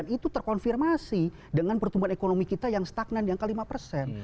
itu terkonfirmasi dengan pertumbuhan ekonomi kita yang stagnan yang kelima persen